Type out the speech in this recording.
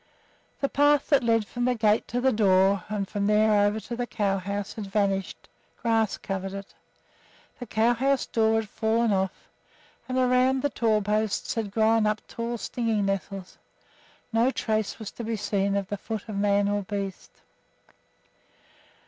The path that led from the gate to the door and from there over to the cow house had vanished; grass covered it. The cow house door had fallen off, and around the doorposts had grown up tall stinging nettles. No trace was to be seen of the foot of man or beast.